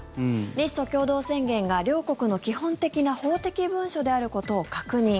日ソ共同宣言が両国の基本的な法的文書であることを確認。